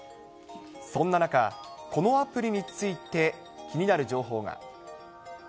そんな中、このアプリについて気になる情報が。